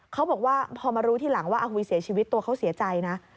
เขาบอกว่าพอมารู้ทีหลังว่าอาหุยเสียชีวิตตัวเขาเสียใจนะ